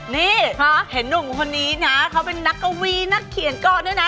นี่เห็นหนุ่มคนนี้นะเขาเป็นนักกวีนักเขียนก่อนด้วยนะ